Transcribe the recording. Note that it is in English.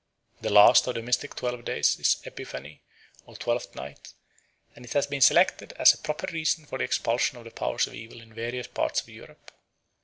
The last of the mystic twelve days is Epiphany or Twelfth Night, and it has been selected as a proper season for the expulsion of the powers of evil in various parts of Europe.